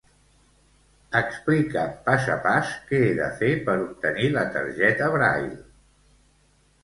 Explica'm pas a pas què he de fer per obtenir la targeta Braile.